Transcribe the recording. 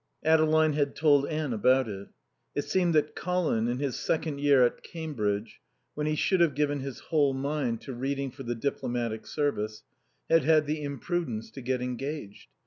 Adeline had told Anne about it. It seemed that Colin in his second year at Cambridge, when he should have given his whole mind to reading for the Diplomatic Service, had had the imprudence to get engaged.